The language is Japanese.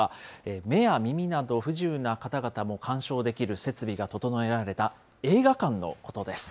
目や耳など不自由な方も鑑賞できる設備が整えられた映画館のことです。